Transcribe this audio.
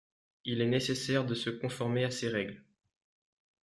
Il est nécessaire de se conformer à ces règles.